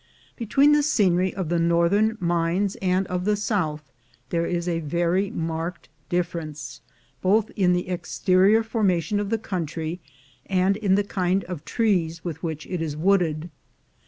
Between the scenery of the northern mines and that A MOUNTAIN OF GOLD 289 of the south there is a very marked difference, both in the exterior formation of the country, and in the kind of trees with which it is wooded.